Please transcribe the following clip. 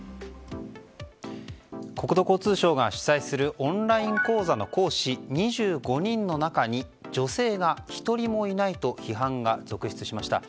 国土交通省が主催するオンライン講座の講師２５人の中に女性が１人もいないと批判が続出しました。